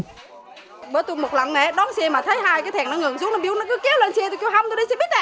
nó cứ kéo lên xe tôi kêu hâm tôi đi xe buýt này